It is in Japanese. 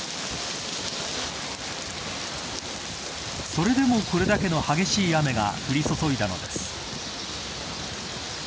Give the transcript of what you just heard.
それでも、これだけの激しい雨が降り注いだのです。